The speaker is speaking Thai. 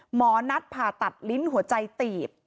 หมอนัดผ่าตัดลิ้นหัวใจตีบ